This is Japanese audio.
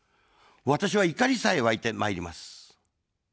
私は怒りさえ湧いてまいります。